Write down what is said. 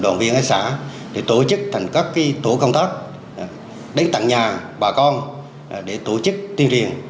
để tổ chức tiên riêng